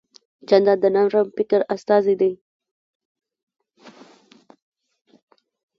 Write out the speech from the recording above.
جانداد د نرم فکر استازی دی.